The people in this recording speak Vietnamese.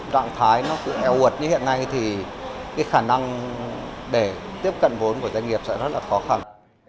trạng thái nó cứ eo uột như hiện nay thì cái khả năng để tiếp cận vốn của doanh nghiệp sẽ rất là khó khăn